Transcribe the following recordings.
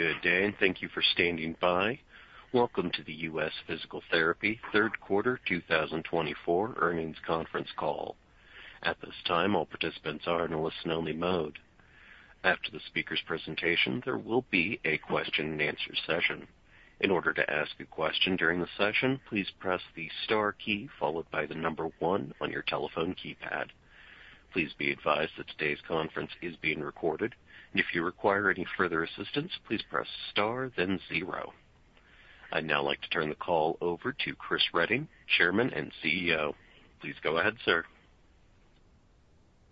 Good day, and thank you for standing by. Welcome to the U.S. Physical Therapy Third Quarter 2024 Earnings Conference Call. At this time, all participants are in a listen-only mode. After the speaker's presentation, there will be a question-and-answer session. In order to ask a question during the session, please press the star key followed by the number one on your telephone keypad. Please be advised that today's conference is being recorded, and if you require any further assistance, please press star, then zero. I'd now like to turn the call over to Chris Reading, Chairman and CEO. Please go ahead, sir.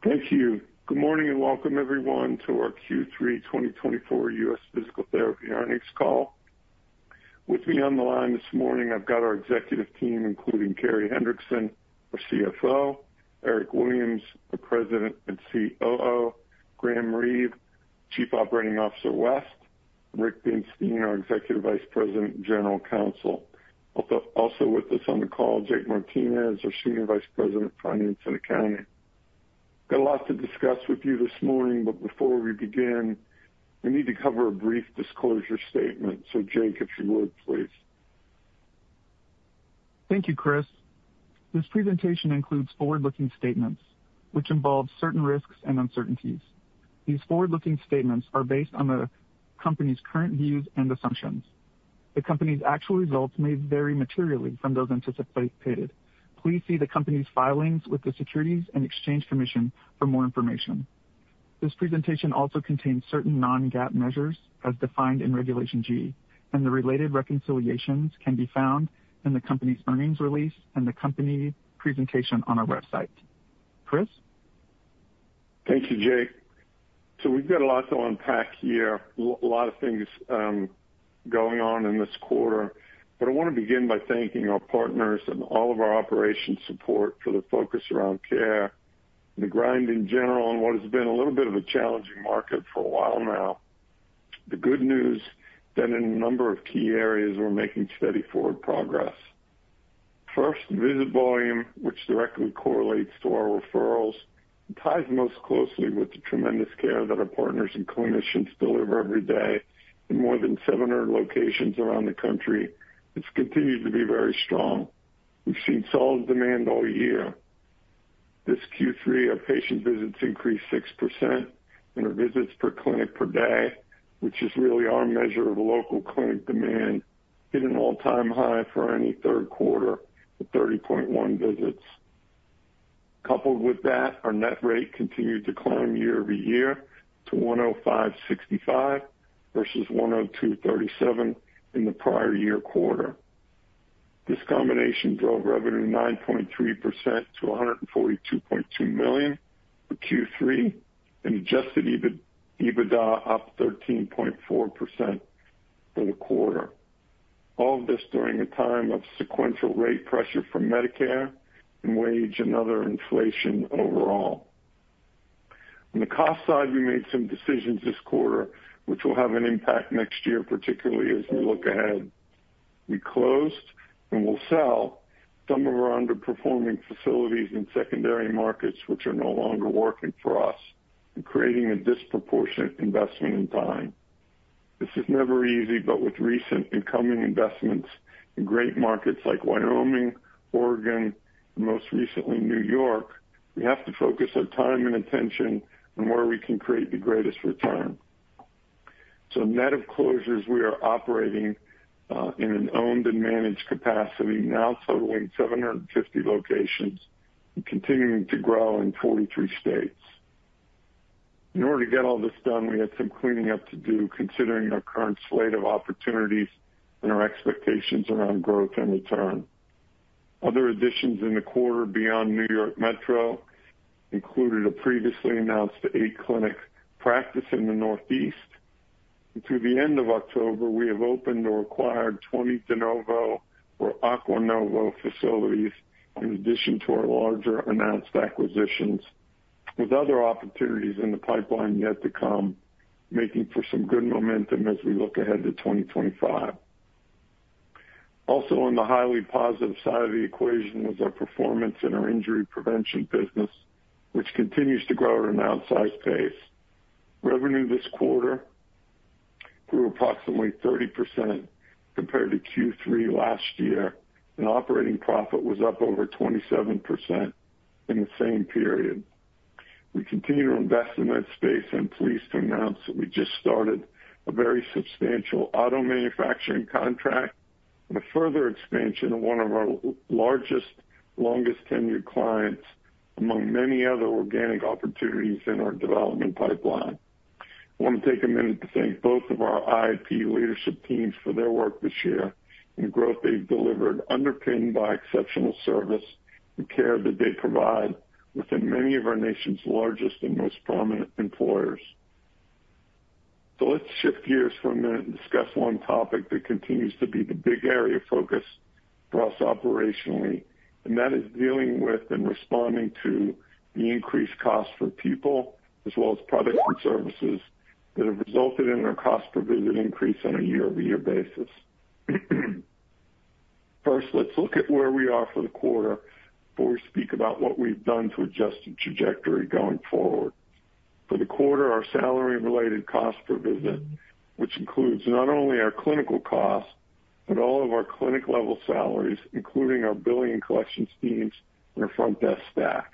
Thank you. Good morning and welcome, everyone, to our Q3 2024 U.S. Physical Therapy earnings call. With me on the line this morning, I've got our executive team, including Carey Hendrickson, our CFO, Eric Williams, our President and COO, Graham Reeve, Chief Operating Officer West, Rick Binstein, our Executive Vice President and General Counsel. Also with us on the call, Jake Martinez, our Senior Vice President of Finance and Accounting. I've got a lot to discuss with you this morning, but before we begin, we need to cover a brief disclosure statement, so Jake, if you would, please. Thank you, Chris. This presentation includes forward-looking statements, which involve certain risks and uncertainties. These forward-looking statements are based on the company's current views and assumptions. The company's actual results may vary materially from those anticipated. Please see the company's filings with the Securities and Exchange Commission for more information. This presentation also contains certain non-GAAP measures, as defined in Regulation G, and the related reconciliations can be found in the company's earnings release and the company presentation on our website. Chris? Thank you, Jake. So we've got a lot to unpack here, a lot of things going on in this quarter, but I want to begin by thanking our partners and all of our operations support for the focus around care, the grind in general, and what has been a little bit of a challenging market for a while now. The good news is that in a number of key areas, we're making steady forward progress. First, visit volume, which directly correlates to our referrals, ties most closely with the tremendous care that our partners and clinicians deliver every day in more than 700 locations around the country. It's continued to be very strong. We've seen solid demand all year. This Q3, our patient visits increased 6%, and our visits per clinic per day, which is really our measure of local clinic demand, hit an all-time high for any third quarter at 30.1 visits. Coupled with that, our net rate continued to climb year over year to $105.65 versus $102.37 in the prior year quarter. This combination drove revenue 9.3% to $142.2 million for Q3 and Adjusted EBITDA up 13.4% for the quarter. All of this during a time of sequential rate pressure from Medicare and wage and other inflation overall. On the cost side, we made some decisions this quarter, which will have an impact next year, particularly as we look ahead. We closed and will sell some of our underperforming facilities in secondary markets, which are no longer working for us, creating a disproportionate investment in time. This is never easy, but with recent incoming investments in great markets like Wyoming, Oregon, and most recently New York, we have to focus our time and attention on where we can create the greatest return. So net of closures, we are operating in an owned and managed capacity, now totaling 750 locations and continuing to grow in 43 states. In order to get all this done, we had some cleaning up to do, considering our current slate of opportunities and our expectations around growth and return. Other additions in the quarter beyond New York Metro included a previously announced eight-clinic practice in the Northeast. Through the end of October, we have opened or acquired 20 De Novo or Acqui-Novo facilities, in addition to our larger announced acquisitions, with other opportunities in the pipeline yet to come, making for some good momentum as we look ahead to 2025. Also, on the highly positive side of the equation is our performance in our injury prevention business, which continues to grow at an outsized pace. Revenue this quarter grew approximately 30% compared to Q3 last year, and operating profit was up over 27% in the same period. We continue to invest in that space, and I'm pleased to announce that we just started a very substantial auto manufacturing contract and a further expansion of one of our largest, longest-tenured clients, among many other organic opportunities in our development pipeline. I want to take a minute to thank both of our IP leadership teams for their work this year and growth they've delivered, underpinned by exceptional service and care that they provide within many of our nation's largest and most prominent employers. So let's shift gears for a minute and discuss one topic that continues to be the big area of focus for us operationally, and that is dealing with and responding to the increased costs for people, as well as products and services that have resulted in our cost per visit increase on a year-over-year basis. First, let's look at where we are for the quarter before we speak about what we've done to adjust the trajectory going forward. For the quarter, our salary-related cost per visit, which includes not only our clinical costs but all of our clinic-level salaries, including our billing and collections teams and our front desk staff,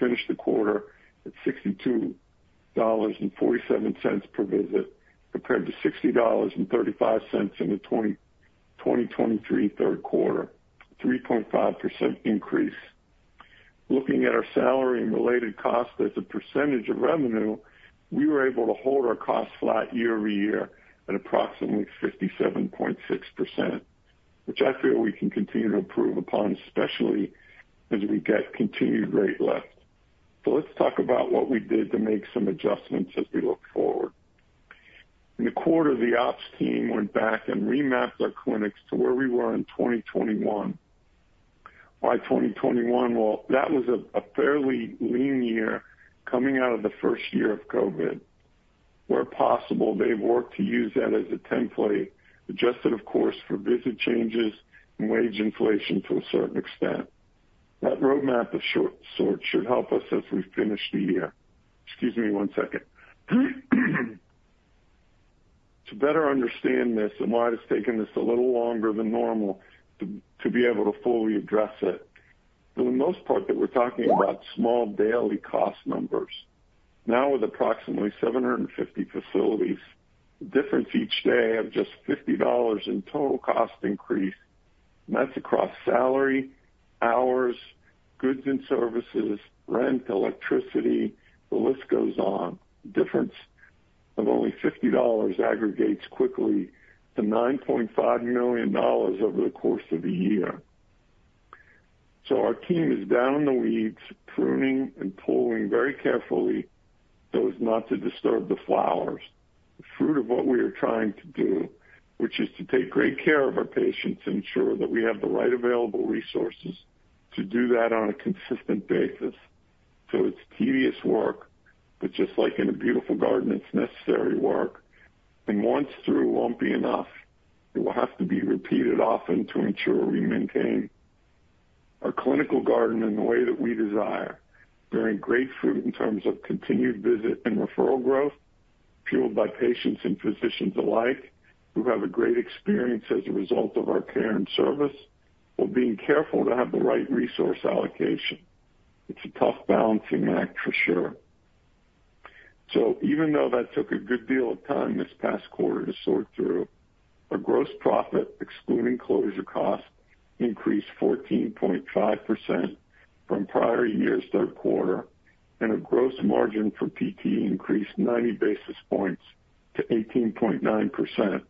finished the quarter at $62.47 per visit, compared to $60.35 in the 2023 third quarter, a 3.5% increase. Looking at our salary and related costs as a percentage of revenue, we were able to hold our cost flat year-over-year at approximately 57.6%, which I feel we can continue to improve upon, especially as we get continued rate lift. So let's talk about what we did to make some adjustments as we look forward. In the quarter, the ops team went back and remapped our clinics to where we were in 2021. By 2021, well, that was a fairly lean year coming out of the first year of COVID. Where possible, they've worked to use that as a template, adjusted, of course, for visit changes and wage inflation to a certain extent. That roadmap of sorts should help us as we finish the year. Excuse me one second. To better understand this, it might have taken us a little longer than normal to be able to fully address it. For the most part, that we're talking about small daily cost numbers. Now, with approximately 750 facilities, the difference each day of just $50 in total cost increase, and that's across salary, hours, goods and services, rent, electricity, the list goes on. The difference of only $50 aggregates quickly to $9.5 million over the course of a year. So our team is in the weeds, pruning and pulling very carefully so as not to disturb the flowers. The fruit of what we are trying to do, which is to take great care of our patients and ensure that we have the right available resources to do that on a consistent basis. So it's tedious work, but just like in a beautiful garden, it's necessary work. And once through won't be enough. It will have to be repeated often to ensure we maintain our clinical garden in the way that we desire. Very great fruit in terms of continued visit and referral growth, fueled by patients and physicians alike who have a great experience as a result of our care and service, while being careful to have the right resource allocation. It's a tough balancing act, for sure. So even though that took a good deal of time this past quarter to sort through, our gross profit, excluding closure costs, increased 14.5% from prior year's third quarter, and our gross margin for PT increased 90 basis points to 18.9%.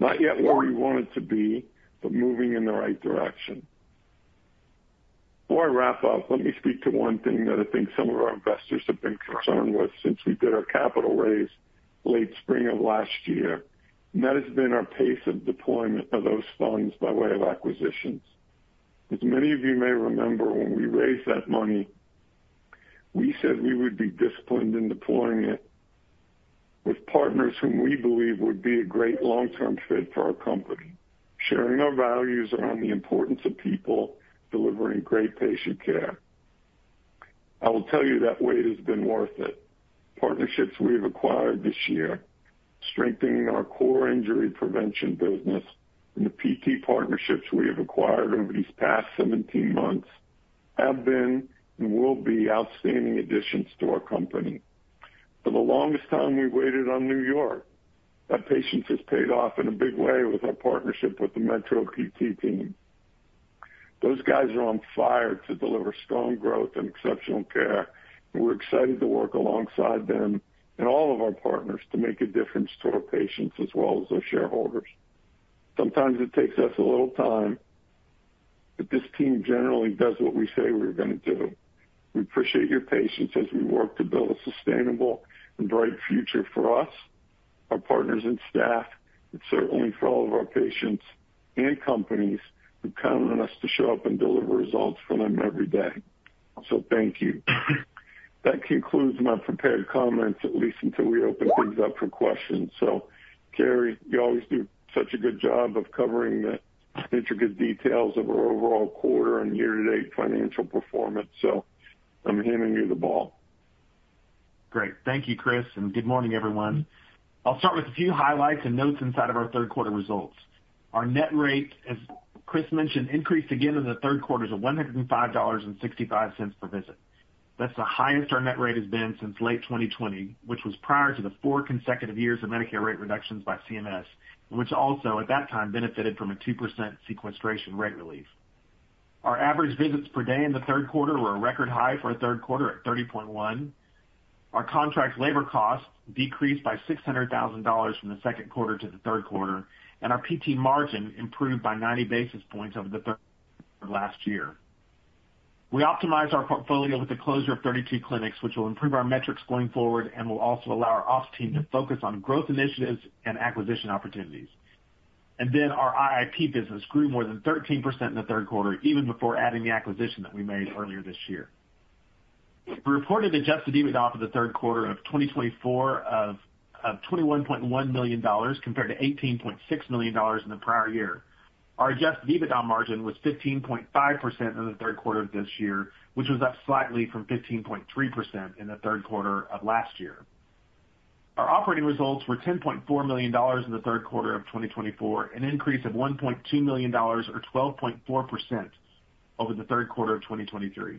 Not yet where we want it to be, but moving in the right direction. Before I wrap up, let me speak to one thing that I think some of our investors have been concerned with since we did our capital raise late spring of last year, and that has been our pace of deployment of those funds by way of acquisitions. As many of you may remember, when we raised that money, we said we would be disciplined in deploying it with partners whom we believe would be a great long-term fit for our company, sharing our values around the importance of people delivering great patient care. I will tell you that wait has been worth it. Partnerships we've acquired this year, strengthening our core injury prevention business, and the PT partnerships we have acquired over these past 17 months have been and will be outstanding additions to our company. For the longest time, we waited on New York. That patience has paid off in a big way with our partnership with the Metro PT team. Those guys are on fire to deliver strong growth and exceptional care, and we're excited to work alongside them and all of our partners to make a difference to our patients as well as our shareholders. Sometimes it takes us a little time, but this team generally does what we say we're going to do. We appreciate your patience as we work to build a sustainable and bright future for us, our partners and staff, and certainly for all of our patients and companies who count on us to show up and deliver results for them every day. So thank you. That concludes my prepared comments, at least until we open things up for questions. So, Carey, you always do such a good job of covering the intricate details of our overall quarter and year-to-date financial performance, so I'm handing you the ball. Great. Thank you, Chris, and good morning, everyone. I'll start with a few highlights and notes inside of our third-quarter results. Our net rate, as Chris mentioned, increased again in the third quarter to $105.65 per visit. That's the highest our net rate has been since late 2020, which was prior to the four consecutive years of Medicare rate reductions by CMS, which also at that time benefited from a 2% sequestration rate relief. Our average visits per day in the third quarter were a record high for a third quarter at 30.1. Our contract labor costs decreased by $600,000 from the second quarter to the third quarter, and our PT margin improved by 90 basis points over the third quarter last year. We optimized our portfolio with the closure of 32 clinics, which will improve our metrics going forward and will also allow our ops team to focus on growth initiatives and acquisition opportunities. And then our IIP business grew more than 13% in the third quarter, even before adding the acquisition that we made earlier this year. We reported Adjusted EBITDA for the third quarter of 2024 of $21.1 million compared to $18.6 million in the prior year. Our Adjusted EBITDA margin was 15.5% in the third quarter of this year, which was up slightly from 15.3% in the third quarter of last year. Our operating results were $10.4 million in the third quarter of 2024, an increase of $1.2 million or 12.4% over the third quarter of 2023.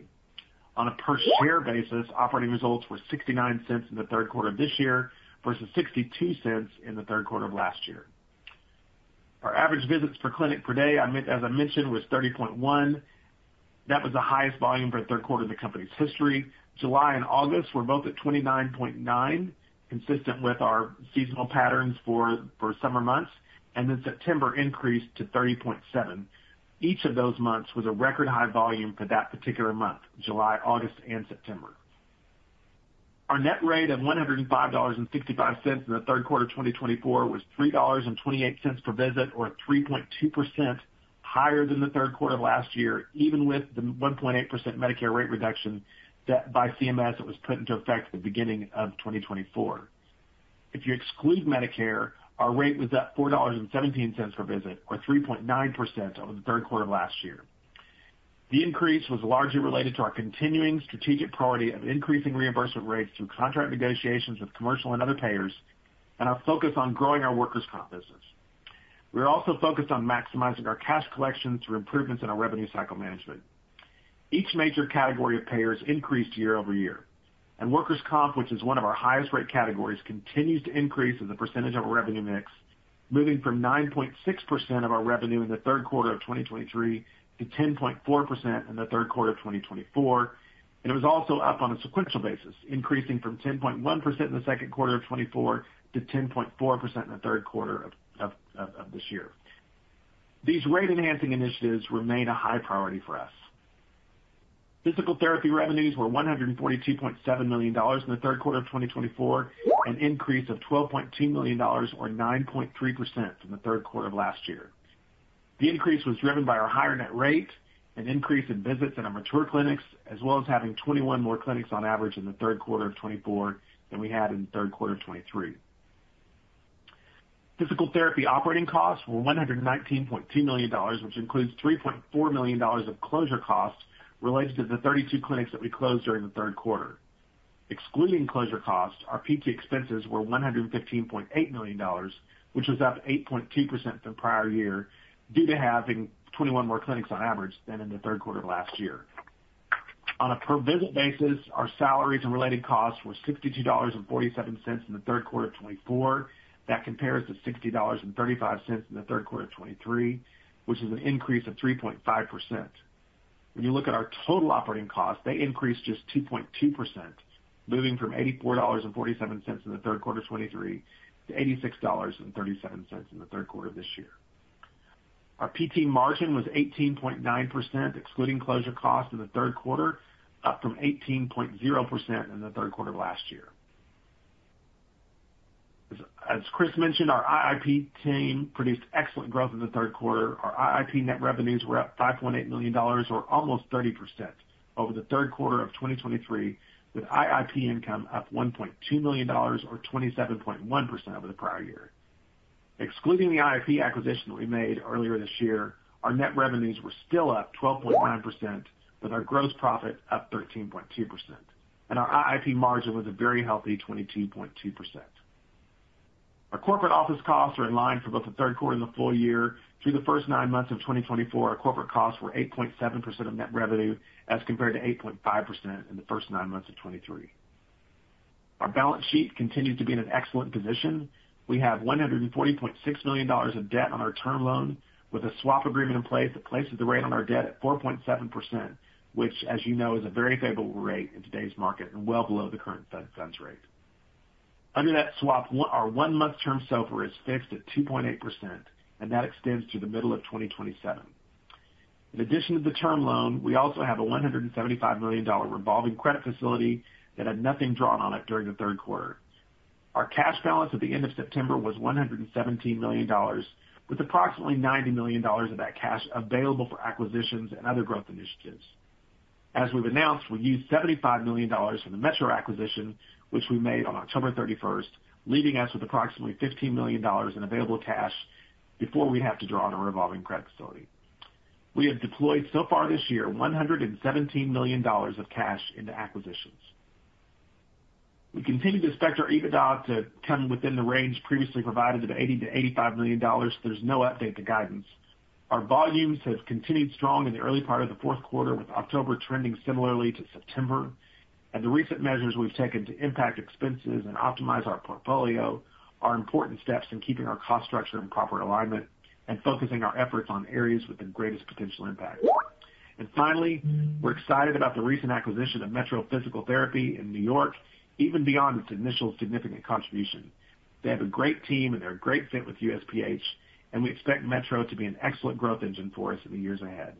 On a per-share basis, operating results were $0.69 in the third quarter of this year versus $0.62 in the third quarter of last year. Our average visits per clinic per day, as I mentioned, was 30.1. That was the highest volume for the third quarter in the company's history. July and August were both at 29.9, consistent with our seasonal patterns for summer months, and then September increased to 30.7. Each of those months was a record high volume for that particular month, July, August, and September. Our net rate of $105.65 in the third quarter of 2024 was $3.28 per visit, or 3.2% higher than the third quarter of last year, even with the 1.8% Medicare rate reduction set by CMS that was put into effect at the beginning of 2024. If you exclude Medicare, our rate was up $4.17 per visit, or 3.9% over the third quarter of last year. The increase was largely related to our continuing strategic priority of increasing reimbursement rates through contract negotiations with commercial and other payers and our focus on growing our workers' comp business. We are also focused on maximizing our cash collections through improvements in our revenue cycle management. Each major category of payers increased year over year, and workers' comp, which is one of our highest-rate categories, continues to increase as a percentage of our revenue mix, moving from 9.6% of our revenue in the third quarter of 2023 to 10.4% in the third quarter of 2024, and it was also up on a sequential basis, increasing from 10.1% in the second quarter of 2024 to 10.4% in the third quarter of this year. These rate-enhancing initiatives remain a high priority for us. Physical therapy revenues were $142.7 million in the third quarter of 2024, an increase of $12.2 million or 9.3% from the third quarter of last year. The increase was driven by our higher net rate, an increase in visits in our mature clinics, as well as having 21 more clinics on average in the third quarter of 2024 than we had in the third quarter of 2023. Physical therapy operating costs were $119.2 million, which includes $3.4 million of closure costs related to the 32 clinics that we closed during the third quarter. Excluding closure costs, our PT expenses were $115.8 million, which was up 8.2% from prior year due to having 21 more clinics on average than in the third quarter of last year. On a per-visit basis, our salaries and related costs were $62.47 in the third quarter of 2024. That compares to $60.35 in the third quarter of 2023, which is an increase of 3.5%. When you look at our total operating costs, they increased just 2.2%, moving from $84.47 in the third quarter of 2023 to $86.37 in the third quarter of this year. Our PT margin was 18.9%, excluding closure costs in the third quarter, up from 18.0% in the third quarter of last year. As Chris mentioned, our IIP team produced excellent growth in the third quarter. Our IIP net revenues were up $5.8 million, or almost 30%, over the third quarter of 2023, with IIP income up $1.2 million, or 27.1% over the prior year. Excluding the IIP acquisition that we made earlier this year, our net revenues were still up 12.9%, with our gross profit up 13.2%. And our IIP margin was a very healthy 22.2%. Our corporate office costs are in line for both the third quarter and the full year. Through the first nine months of 2024, our corporate costs were 8.7% of net revenue as compared to 8.5% in the first nine months of 2023. Our balance sheet continues to be in an excellent position. We have $140.6 million of debt on our term loan, with a swap agreement in place that places the rate on our debt at 4.7%, which, as you know, is a very favorable rate in today's market and well below the current Fed funds rate. Under that swap, our one-month term SOFR is fixed at 2.8%, and that extends to the middle of 2027. In addition to the term loan, we also have a $175 million revolving credit facility that had nothing drawn on it during the third quarter. Our cash balance at the end of September was $117 million, with approximately $90 million of that cash available for acquisitions and other growth initiatives. As we've announced, we used $75 million for the Metro acquisition, which we made on October 31st, leaving us with approximately $15 million in available cash before we have to draw on our revolving credit facility. We have deployed so far this year $117 million of cash into acquisitions. We continue to expect our EBITDA to come within the range previously provided of $80-$85 million. There's no update to guidance. Our volumes have continued strong in the early part of the fourth quarter, with October trending similarly to September. The recent measures we've taken to impact expenses and optimize our portfolio are important steps in keeping our cost structure in proper alignment and focusing our efforts on areas with the greatest potential impact. Finally, we're excited about the recent acquisition of Metro Physical Therapy in New York, even beyond its initial significant contribution. They have a great team, and they're a great fit with USPH, and we expect Metro to be an excellent growth engine for us in the years ahead.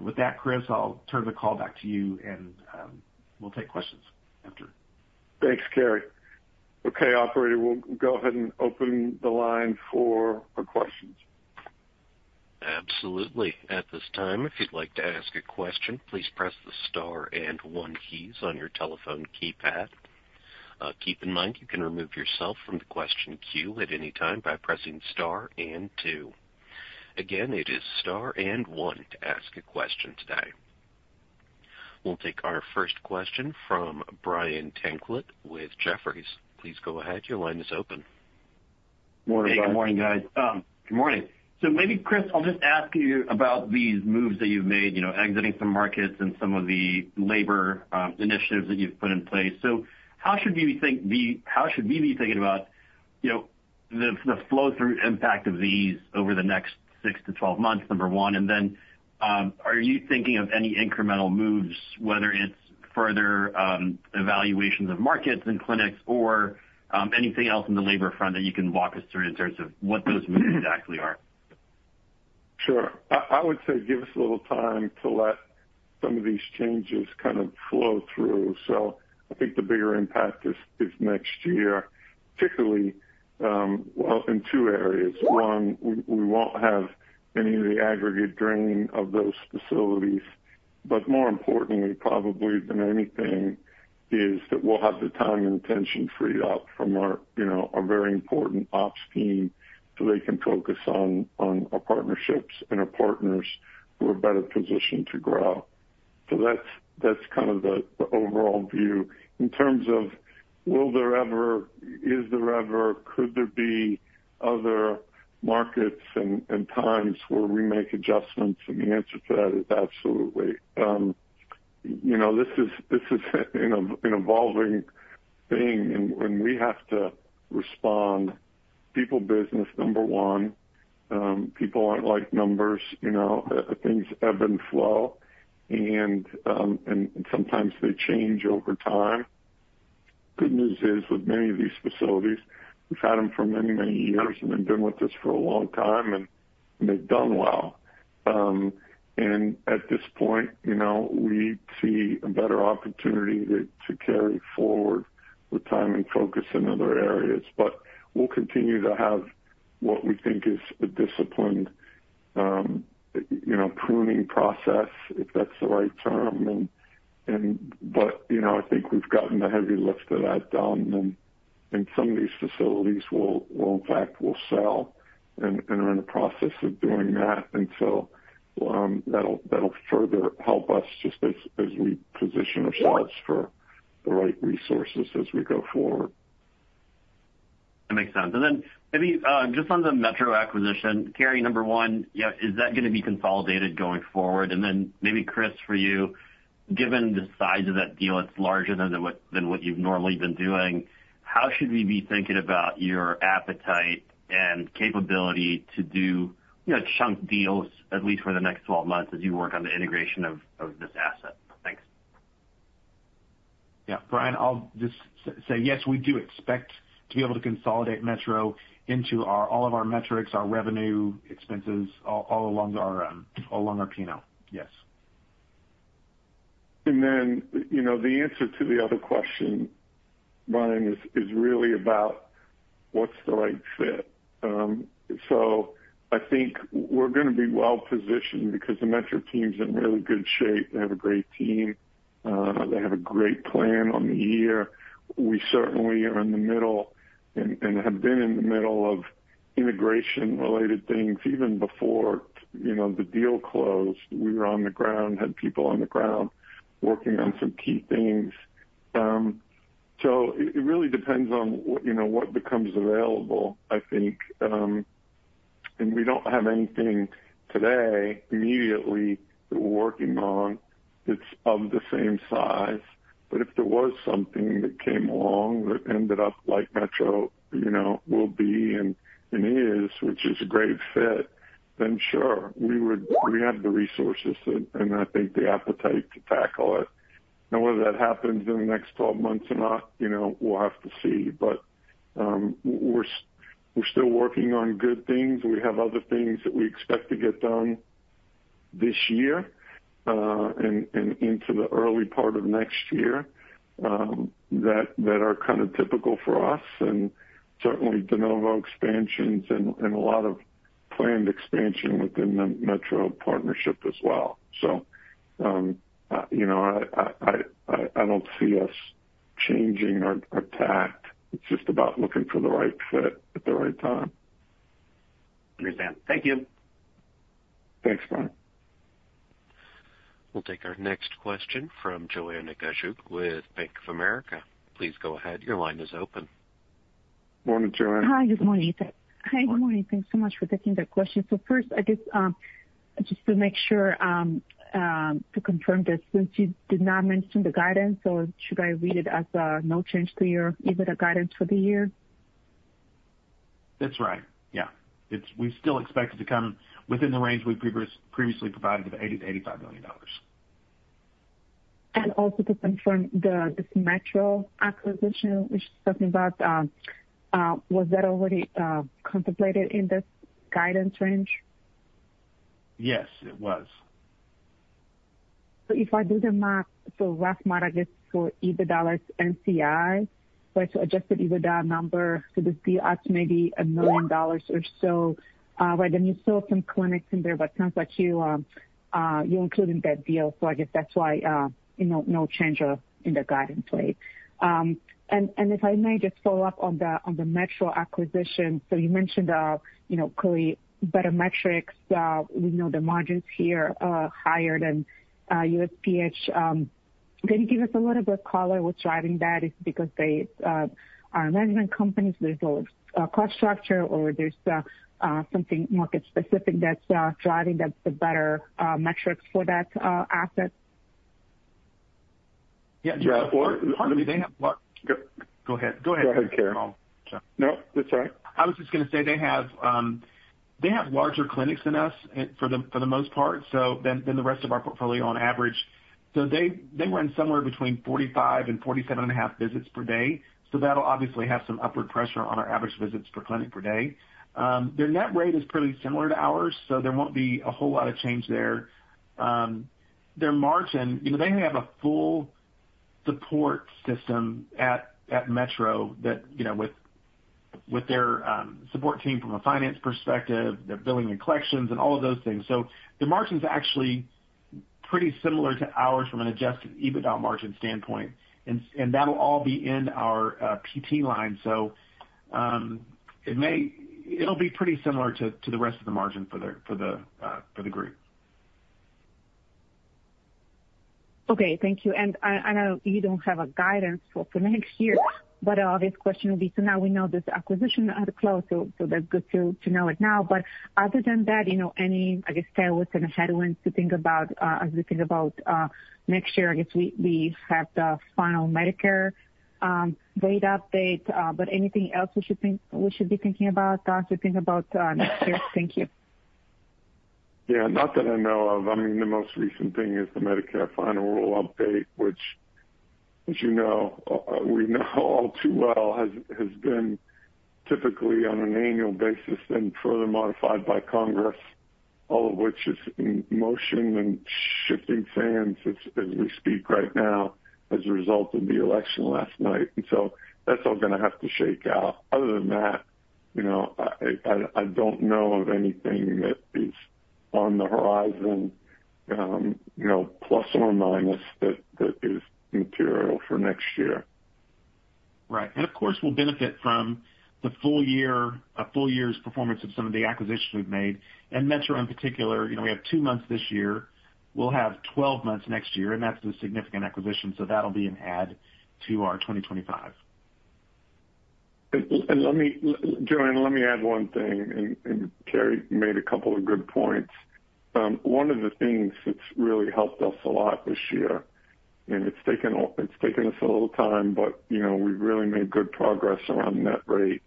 With that, Chris, I'll turn the call back to you, and we'll take questions after. Thanks, Carey. Okay, Operator, we'll go ahead and open the line for questions. Absolutely. At this time, if you'd like to ask a question, please press the star and one keys on your telephone keypad. Keep in mind you can remove yourself from the question queue at any time by pressing star and two. Again, it is star and one to ask a question today. We'll take our first question from Brian Tanquilut with Jefferies. Please go ahead. Your line is open. Morning, guys. Good morning Good morning. So maybe, Chris, I'll just ask you about these moves that you've made, exiting some markets and some of the labor initiatives that you've put in place. So how should we be thinking about the flow-through impact of these over the next 6 to 12 months, number one? And then are you thinking of any incremental moves, whether it's further evaluations of markets and clinics or anything else on the labor front that you can walk us through in terms of what those moves exactly are? Sure. I would say give us a little time to let some of these changes kind of flow through. So I think the bigger impact is next year, particularly in two areas. One, we won't have any of the aggregate drain of those facilities, but more importantly, probably than anything, is that we'll have the time and attention freed up from our very important ops team so they can focus on our partnerships and our partners who are better positioned to grow. So that's kind of the overall view. In terms of will there ever, is there ever, could there be other markets and times where we make adjustments, and the answer to that is absolutely. This is an evolving thing, and when we have to respond, people business, number one. People aren't like numbers. Things ebb and flow, and sometimes they change over time. The good news is with many of these facilities, we've had them for many, many years and have been with us for a long time, and they've done well, and at this point, we see a better opportunity to carry forward with time and focus in other areas, but we'll continue to have what we think is a disciplined pruning process, if that's the right term, but I think we've gotten the heavy lift of that done, and some of these facilities will, in fact, sell and are in the process of doing that, and so that'll further help us just as we position ourselves for the right resources as we go forward. That makes sense. And then maybe just on the Metro acquisition, Carey, number one, is that going to be consolidated going forward? And then maybe, Chris, for you, given the size of that deal, it's larger than what you've normally been doing. How should we be thinking about your appetite and capability to do chunk deals, at least for the next 12 months, as you work on the integration of this asset? Thanks. Yeah. Brian, I'll just say yes, we do expect to be able to consolidate Metro into all of our metrics, our revenue, expenses, all along our P&L. Yes. And then the answer to the other question, Brian, is really about what's the right fit. So I think we're going to be well positioned because the Metro team's in really good shape. They have a great team. They have a great plan on the year. We certainly are in the middle and have been in the middle of integration-related things. Even before the deal closed, we were on the ground, had people on the ground working on some key things. So it really depends on what becomes available, I think. And we don't have anything today immediately that we're working on that's of the same size. But if there was something that came along that ended up like Metro will be and is, which is a great fit, then sure, we have the resources and I think the appetite to tackle it. Now, whether that happens in the next 12 months or not, we'll have to see. But we're still working on good things. We have other things that we expect to get done this year and into the early part of next year that are kind of typical for us, and certainly de novo expansions and a lot of planned expansion within the Metro partnership as well. So I don't see us changing our tack. It's just about looking for the right fit at the right time. Understand. Thank you. Thanks, Brian. We'll take our next question from Joanna Gajuk with Bank of America. Please go ahead. Your line is open. Morning, Joanne. Hi, good morning. Hi, good morning. Thanks so much for taking the question. So first, I guess just to make sure to confirm that since you did not mention the guidance, or should I read it as a no change to your EBITDA guidance for the year? That's right. Yeah. We still expect it to come within the range we previously provided of $80-$85 million. Also, to confirm this Metro acquisition, which is talking about, was that already contemplated in this guidance range? Yes, it was. So if I do the math, so rough math, I guess for EBITDA NCI, so it's an Adjusted EBITDA number, so this deal adds maybe $1 million or so, right? And you saw some clinics in there, but it sounds like you included that deal. So I guess that's why no change in the guidance rate. And if I may just follow up on the Metro acquisition, so you mentioned clearly better metrics. We know the margins here are higher than USPH. Can you give us a little bit of color? What's driving that is because they are a management company, so there's a cost structure or there's something market-specific that's driving the better metrics for that asset? Yeah. Yeah. Or maybe they have more. Go ahead. Go ahead, Carey. No, that's all right. I was just going to say they have larger clinics than us for the most part, so than the rest of our portfolio on average. So they run somewhere between 45 and 47 and a half visits per day. So that'll obviously have some upward pressure on our average visits per clinic per day. Their net rate is pretty similar to ours, so there won't be a whole lot of change there. Their margin, they have a full support system at Metro with their support team from a finance perspective, their billing and collections, and all of those things. So the margin's actually pretty similar to ours from an Adjusted EBITDA margin standpoint. And that'll all be in our PT line. So it'll be pretty similar to the rest of the margin for the group. Okay. Thank you. And I know you don't have a guidance for next year, but this question will be, so now we know this acquisition had a close, so that's good to know it now. But other than that, any, I guess, tailwinds and headwinds to think about as we think about next year? I guess we have the final Medicare rate update, but anything else we should be thinking about as we think about next year? Thank you. Yeah. Not that I know of. I mean, the most recent thing is the Medicare final rule update, which, as you know, we know all too well, has been typically on an annual basis and further modified by Congress, all of which is in motion and shifting sands as we speak right now as a result of the election last night. And so that's all going to have to shake out. Other than that, I don't know of anything that is on the horizon, plus or minus, that is material for next year. Right. And of course, we'll benefit from the full year's performance of some of the acquisitions we've made. And Metro in particular, we have two months this year. We'll have 12 months next year, and that's a significant acquisition, so that'll be an add to our 2025. Joanna, let me add one thing, and Carey made a couple of good points. One of the things that's really helped us a lot this year, and it's taken us a little time, but we've really made good progress around net rate.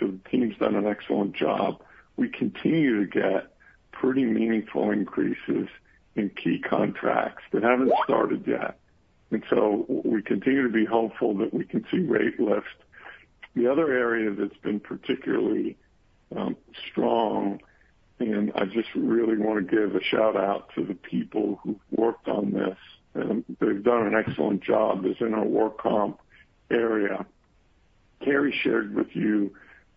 So the team's done an excellent job. We continue to get pretty meaningful increases in key contracts that haven't started yet. And so we continue to be hopeful that we can see rate lift. The other area that's been particularly strong, and I just really want to give a shout-out to the people who've worked on this, and they've done an excellent job. There's in our work comp area. Carey shared with you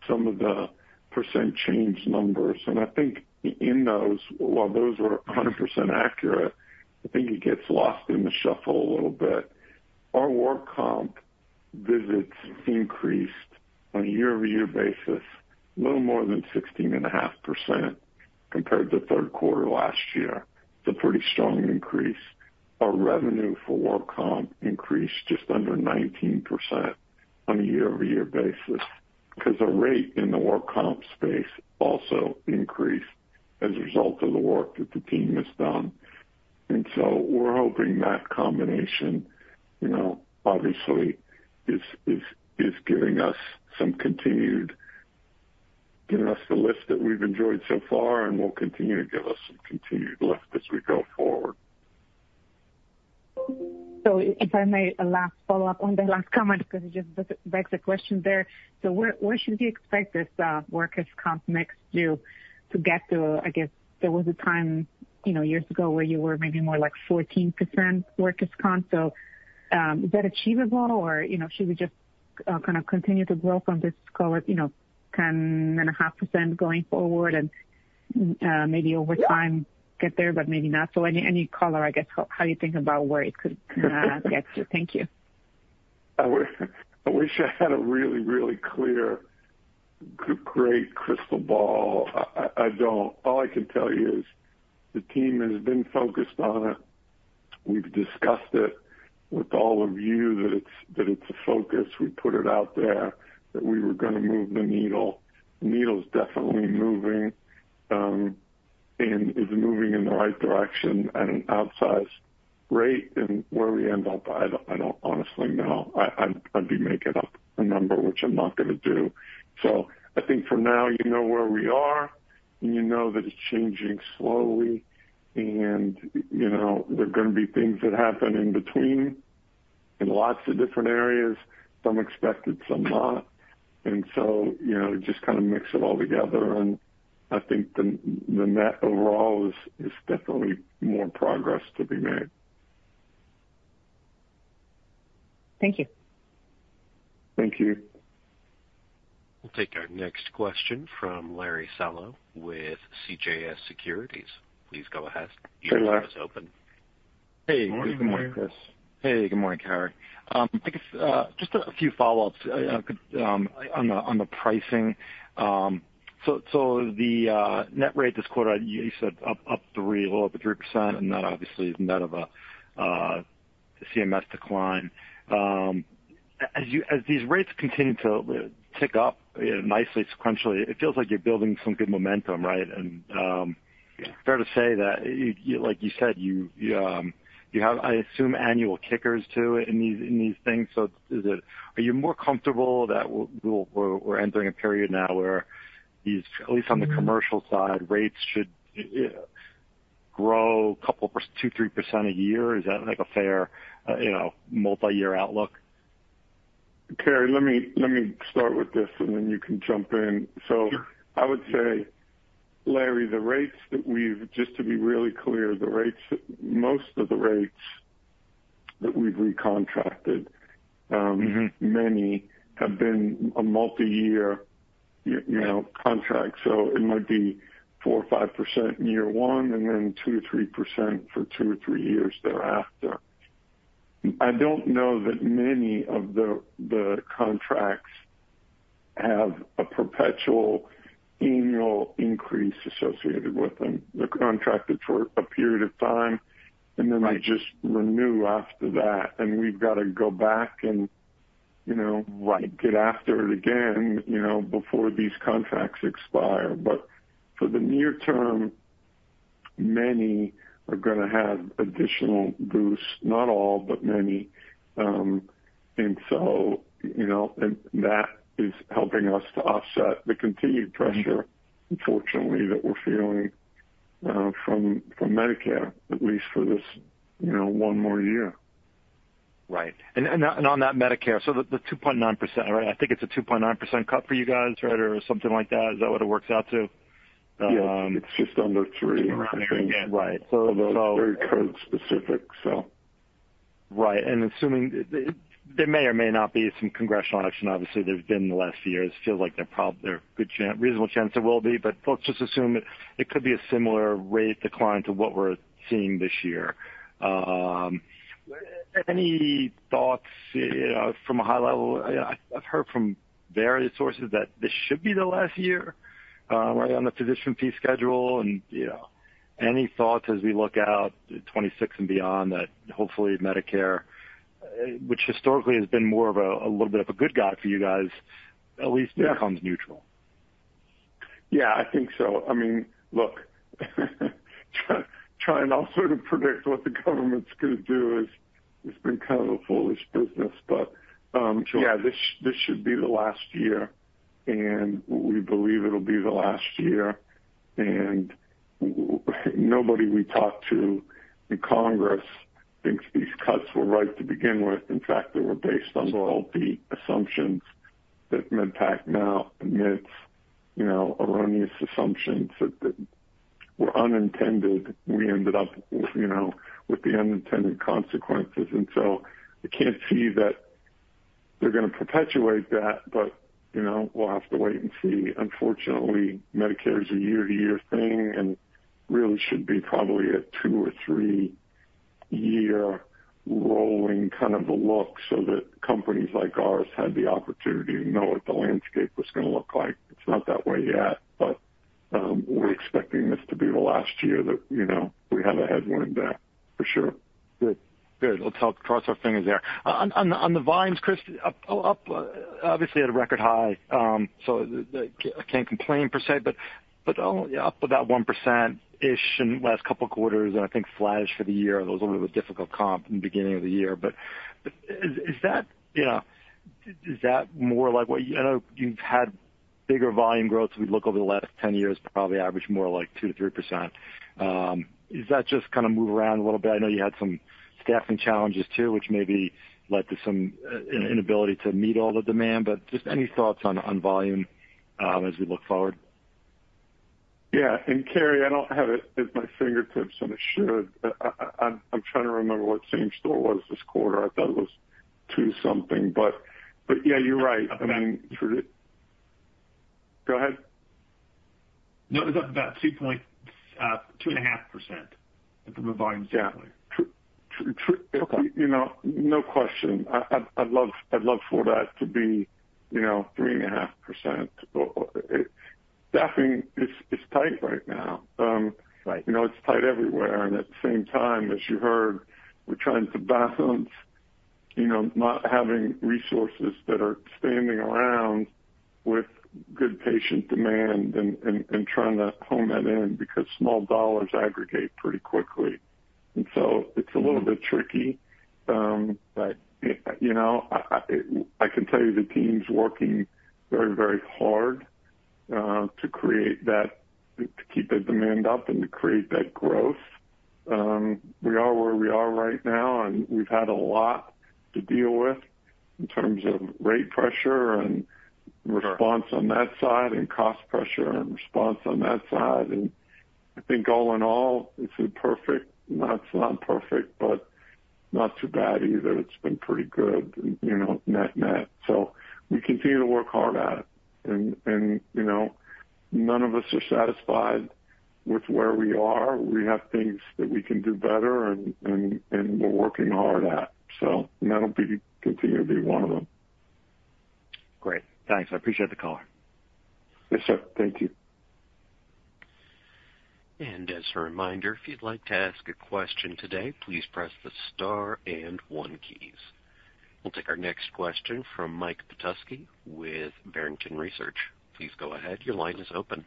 some of the percent change numbers, and I think in those, while those were 100% accurate, I think it gets lost in the shuffle a little bit. Our work comp visits increased on a year-over-year basis, a little more than 16.5% compared to third quarter last year. It's a pretty strong increase. Our revenue for work comp increased just under 19% on a year-over-year basis because our rate in the work comp space also increased as a result of the work that the team has done. And so we're hoping that combination obviously is giving us some continued lift that we've enjoyed so far, and will continue to give us some continued lift as we go forward. So if I may last follow up on the last comment because it just begs a question there. So where should we expect this workers' comp next year to get to? I guess there was a time years ago where you were maybe more like 14% workers' comp. So is that achievable, or should we just kind of continue to grow from this 10.5% going forward and maybe over time get there, but maybe not? So any color, I guess, how you think about where it could get to? Thank you. I wish I had a really, really clear, great crystal ball. I don't. All I can tell you is the team has been focused on it. We've discussed it with all of you that it's a focus. We put it out there that we were going to move the needle. The needle's definitely moving and is moving in the right direction at an outsized rate, and where we end up, I don't honestly know. I'd be making up a number, which I'm not going to do, so I think for now, you know where we are, and you know that it's changing slowly, and there are going to be things that happen in between in lots of different areas, some expected, some not, and so just kind of mix it all together, and I think the net overall is definitely more progress to be made. Thank you. Thank you. We'll take our next question from Larry Solow with CJS Securities. Please go ahead. You have the floor. It's open. Hey. Morning, Chris. Hey. Good morning, Carey. I guess just a few follow-ups on the pricing. So the net rate this quarter, you said up 3%, and that obviously is net of a CMS decline. As these rates continue to tick up nicely sequentially, it feels like you're building some good momentum, right? And fair to say that, like you said, you have, I assume, annual kickers to it in these things. So are you more comfortable that we're entering a period now where these, at least on the commercial side, rates should grow 2%-3% a year? Is that a fair multi-year outlook? Carey, let me start with this, and then you can jump in. So I would say, Larry, the rates that we've just to be really clear, the rates, most of the rates that we've recontracted, many have been a multi-year contract. So it might be 4% or 5% in year one and then 2% or 3% for two or three years thereafter. I don't know that many of the contracts have a perpetual annual increase associated with them. They're contracted for a period of time, and then they just renew after that. And we've got to go back and get after it again before these contracts expire. But for the near term, many are going to have additional boosts, not all, but many. And so that is helping us to offset the continued pressure, unfortunately, that we're feeling from Medicare, at least for this one more year. Right. And on that Medicare, so the 2.9%, right? I think it's a 2.9% cut for you guys, right, or something like that? Is that what it works out to? Yeah. It's just under 3%. Right. So that's very code-specific, so. Right. And assuming there may or may not be some congressional action, obviously, there's been in the last few years. It feels like there are reasonable chances there will be, but let's just assume it could be a similar rate decline to what we're seeing this year. Any thoughts from a high level? I've heard from various sources that this should be the last year, right, on the Physician Fee Schedule. And any thoughts as we look out 2026 and beyond that hopefully Medicare, which historically has been more of a little bit of a good guy for you guys, at least becomes neutral? Yeah. I think so. I mean, look, trying also to predict what the government's going to do has been kind of a foolish business. But yeah, this should be the last year, and we believe it'll be the last year. And nobody we talk to in Congress thinks these cuts were right to begin with. In fact, they were based on the old assumptions that MedPAC now admits erroneous assumptions that were unintended. We ended up with the unintended consequences. And so I can't see that they're going to perpetuate that, but we'll have to wait and see. Unfortunately, Medicare is a year-to-year thing and really should be probably a two or three-year rolling kind of a look so that companies like ours had the opportunity to know what the landscape was going to look like. It's not that way yet, but we're expecting this to be the last year that we have a headwind there, for sure. Good. Good. Let's cross our fingers there. On the vines, Chris, up obviously at a record high. So I can't complain per se, but up about 1%-ish in the last couple of quarters, and I think flash for the year. It was a little bit of a difficult comp in the beginning of the year. But is that more like what I know you've had bigger volume growth as we look over the last 10 years, probably averaged more like 2%-3%. Is that just kind of move around a little bit? I know you had some staffing challenges too, which maybe led to some inability to meet all the demand. But just any thoughts on volume as we look forward? Yeah. And Carey, I don't have it at my fingertips and I should. I'm trying to remember what same store was this quarter. I thought it was 2-something, but yeah, you're right. I mean. For the. Go ahead. No, it was up about 2.5% from a volume standpoint. Yeah. No question. I'd love for that to be 3.5%. Staffing is tight right now. It's tight everywhere. And at the same time, as you heard, we're trying to balance not having resources that are standing around with good patient demand and trying to hone that in because small dollars aggregate pretty quickly. And so it's a little bit tricky. But I can tell you the team's working very, very hard to create that, to keep that demand up and to create that growth. We are where we are right now, and we've had a lot to deal with in terms of rate pressure and response on that side and cost pressure and response on that side. And I think all in all, it's a perfect—not perfect, but not too bad either. It's been pretty good, net-net. So we continue to work hard at it. And none of us are satisfied with where we are. We have things that we can do better, and we're working hard at. So that'll continue to be one of them. Great. Thanks. I appreciate the call. Yes, sir. Thank you. As a reminder, if you'd like to ask a question today, please press the star and one keys. We'll take our next question from Mike Petusky with Barrington Research. Please go ahead. Your line is open.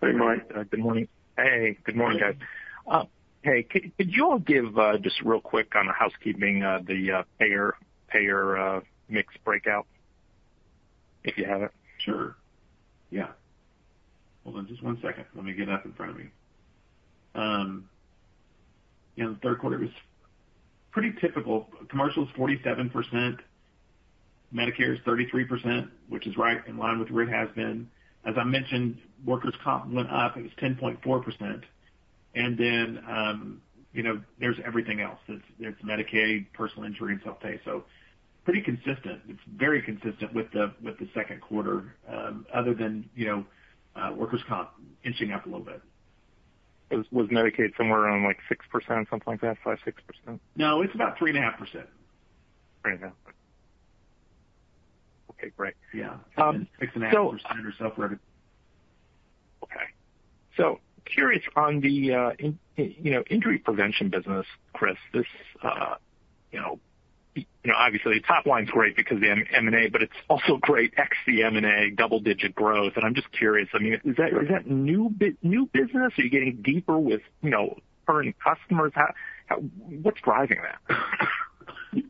Hey, Mike. Good morning. Hey. Good morning, guys. Hey, could you all give just real quick on the housekeeping, the payer mix breakout, if you have it? Sure. Yeah. Hold on just one second. Let me get it up in front of me. In the third quarter, it was pretty typical. Commercial is 47%. Medicare is 33%, which is right in line with where it has been. As I mentioned, workers' comp went up. It was 10.4%. And then there's everything else. It's Medicaid, personal injury, and self-pay. So pretty consistent. It's very consistent with the second quarter, other than workers' comp inching up a little bit. Was Medicaid somewhere around like 6%, something like that, 5%, 6%? No, it's about 3.5%. Right now. Okay. Great. Yeah. 6.5% or so for every. Okay. So, curious on the injury prevention business, Chris. Obviously, top line's great because of the M&A, but it's also great ex-M&A, double-digit growth. And I'm just curious, I mean, is that new business? Are you getting deeper with current customers? What's driving that?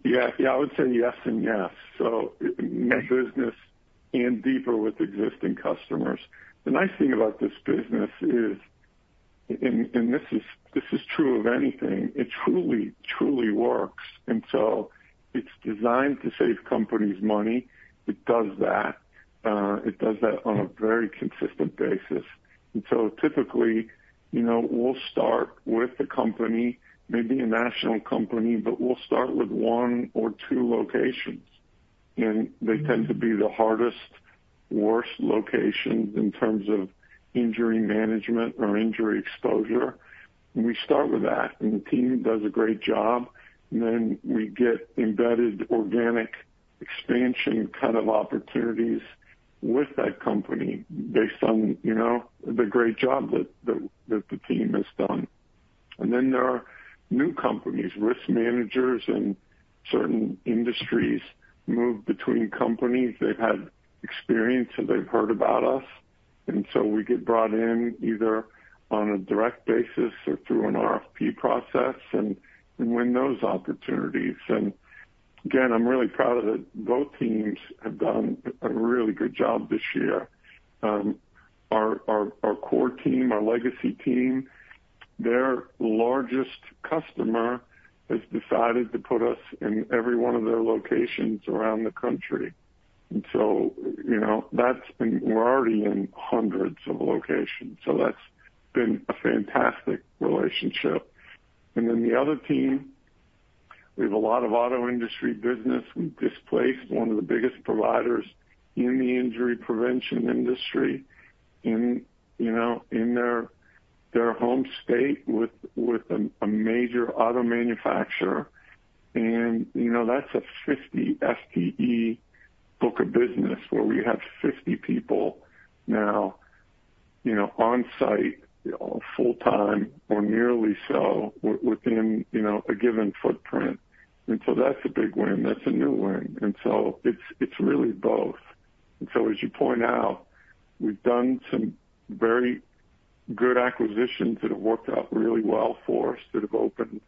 Yeah. Yeah. I would say yes and yes. So, new business and deeper with existing customers. The nice thing about this business is, and this is true of anything, it truly, truly works. And so it's designed to save companies money. It does that. It does that on a very consistent basis. And so typically, we'll start with the company, maybe a national company, but we'll start with one or two locations. And they tend to be the hardest, worst locations in terms of injury management or injury exposure. And we start with that, and the team does a great job. And then we get embedded organic expansion kind of opportunities with that company based on the great job that the team has done. And then there are new companies. Risk managers in certain industries move between companies. They've had experience, and they've heard about us. And so we get brought in either on a direct basis or through an RFP process and win those opportunities. And again, I'm really proud of that both teams have done a really good job this year. Our core team, our legacy team, their largest customer has decided to put us in every one of their locations around the country. And so that's been. We're already in hundreds of locations. So that's been a fantastic relationship. And then the other team, we have a lot of auto industry business. We've displaced one of the biggest providers in the injury prevention industry in their home state with a major auto manufacturer. And that's a 50 FTE book of business where we have 50 people now on-site full-time or nearly so within a given footprint. And so that's a big win. That's a new win. And so it's really both. And so, as you point out, we've done some very good acquisitions that have worked out really well for us that have opened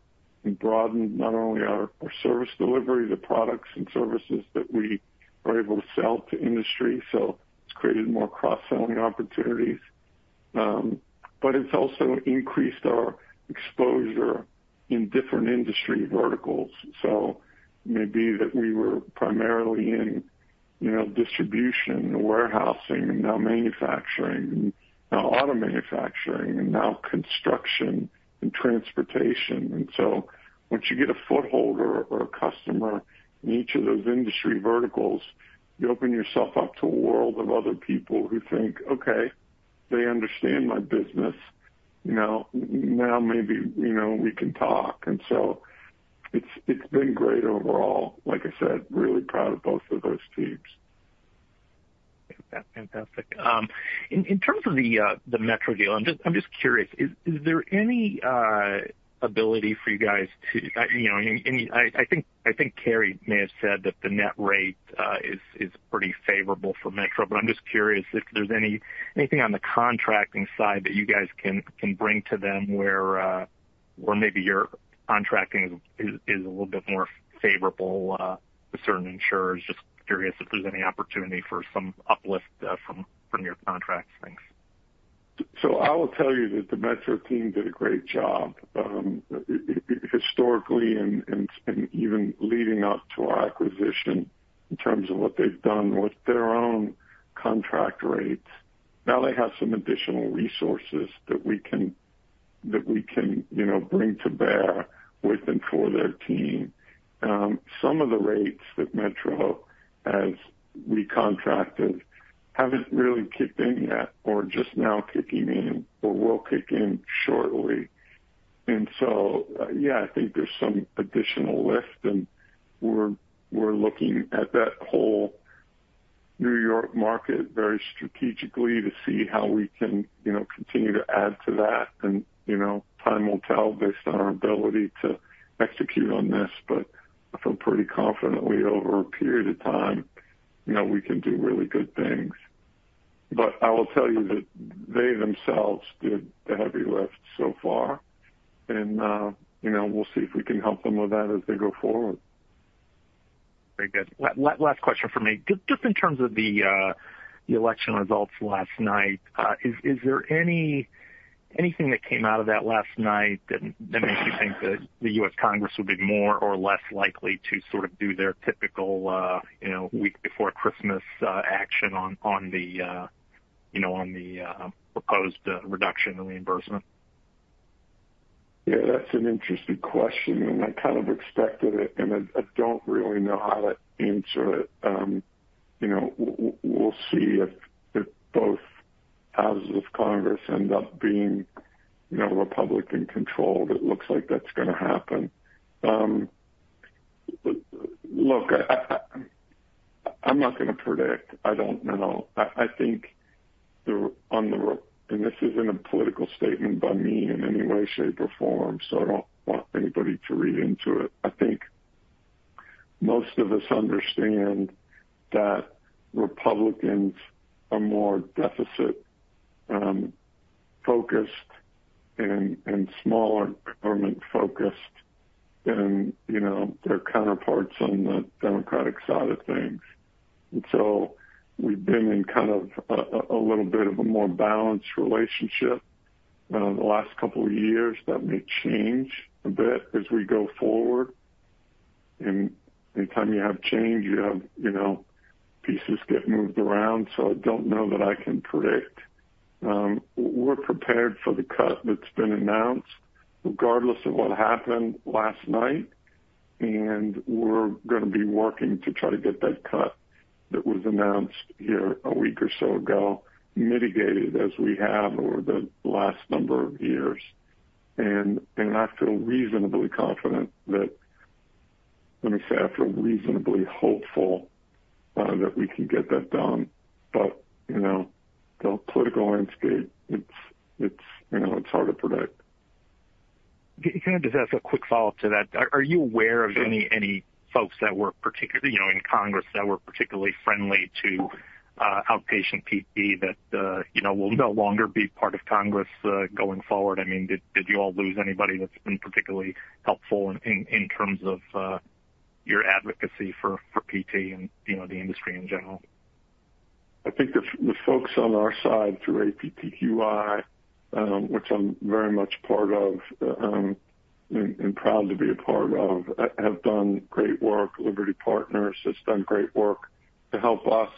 and broadened not only our service delivery, the products and services that we are able to sell to industry. So it's created more cross-selling opportunities. But it's also increased our exposure in different industry verticals. So maybe that we were primarily in distribution and warehousing and now manufacturing and now auto manufacturing and now construction and transportation. And so once you get a foothold or a customer in each of those industry verticals, you open yourself up to a world of other people who think, "Okay, they understand my business. Now maybe we can talk." And so it's been great overall. Like I said, really proud of both of those teams. Fantastic. In terms of the Metro deal, I'm just curious, is there any ability for you guys to, I think Carey may have said that the net rate is pretty favorable for Metro, but I'm just curious if there's anything on the contracting side that you guys can bring to them where maybe your contracting is a little bit more favorable to certain insurers. Just curious if there's any opportunity for some uplift from your contracts, things. So I will tell you that the Metro team did a great job historically and even leading up to our acquisition in terms of what they've done with their own contract rates. Now they have some additional resources that we can bring to bear with and for their team. Some of the rates that Metro has re-contracted haven't really kicked in yet or just now kicking in or will kick in shortly. And so yeah, I think there's some additional lift. And we're looking at that whole New York market very strategically to see how we can continue to add to that. And time will tell based on our ability to execute on this. But I feel pretty confidently over a period of time, we can do really good things. But I will tell you that they themselves did the heavy lift so far. We'll see if we can help them with that as they go forward. Very good. Last question for me. Just in terms of the election results last night, is there anything that came out of that last night that makes you think that the U.S. Congress would be more or less likely to sort of do their typical week before Christmas action on the proposed reduction in reimbursement? Yeah. That's an interesting question, and I kind of expected it, and I don't really know how to answer it. We'll see if both houses of Congress end up being Republican-controlled. It looks like that's going to happen. Look, I'm not going to predict. I don't know. I think on the, and this isn't a political statement by me in any way, shape, or form, so I don't want anybody to read into it. I think most of us understand that Republicans are more deficit-focused and smaller government-focused than their counterparts on the Democratic side of things. And so we've been in kind of a little bit of a more balanced relationship the last couple of years. That may change a bit as we go forward. And anytime you have change, you have pieces get moved around. So I don't know that I can predict. We're prepared for the cut that's been announced regardless of what happened last night, and we're going to be working to try to get that cut that was announced here a week or so ago mitigated as we have over the last number of years, and I feel reasonably confident that, let me say, I feel reasonably hopeful that we can get that done, but the political landscape, it's hard to predict. Kind of just as a quick follow-up to that, are you aware of any folks that were particularly in Congress that were particularly friendly to outpatient PT that will no longer be part of Congress going forward? I mean, did you all lose anybody that's been particularly helpful in terms of your advocacy for PT and the industry in general? I think the folks on our side through APTQI, which I'm very much part of and proud to be a part of, have done great work. Liberty Partners has done great work to help us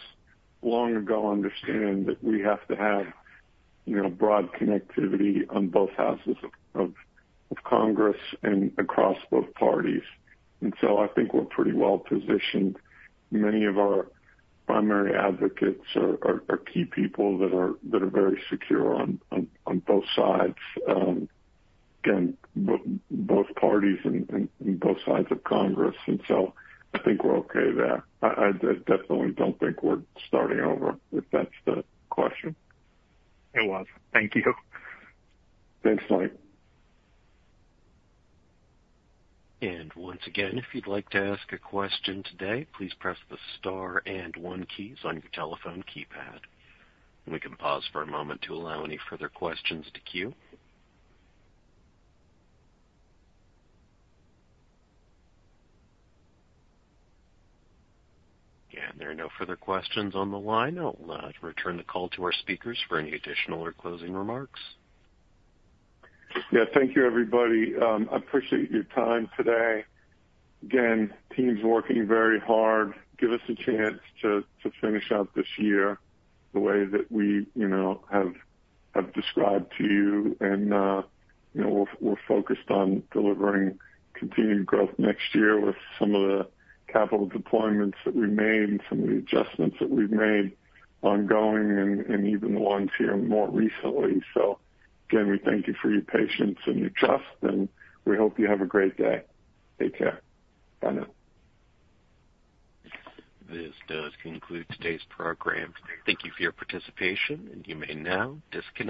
long ago understand that we have to have broad connectivity on both houses of Congress and across both parties, and so I think we're pretty well positioned. Many of our primary advocates are key people that are very secure on both sides, again, both parties and both sides of Congress, and so I think we're okay there. I definitely don't think we're starting over if that's the question. It was. Thank you. Thanks, Mike. Once again, if you'd like to ask a question today, please press the star and one keys on your telephone keypad. We can pause for a moment to allow any further questions to queue. There are no further questions on the line. I'll return the call to our speakers for any additional or closing remarks. Yeah. Thank you, everybody. I appreciate your time today. Again, team's working very hard. Give us a chance to finish out this year the way that we have described to you. And we're focused on delivering continued growth next year with some of the capital deployments that we've made and some of the adjustments that we've made ongoing and even the ones here more recently. So again, we thank you for your patience and your trust, and we hope you have a great day. Take care. Bye now. This does conclude today's program. Thank you for your participation, and you may now disconnect.